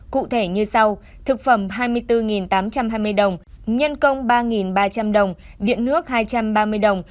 cụ thể như sau thực phẩm hai mươi bốn tám trăm hai mươi đồng nhân công ba ba trăm linh đồng điện nước hai trăm ba mươi đồng